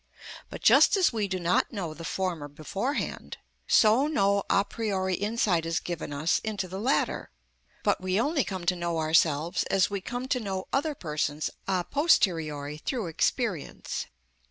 But just as we do not know the former beforehand, so no a priori insight is given us into the latter, but we only come to know ourselves as we come to know other persons a posteriori through experience.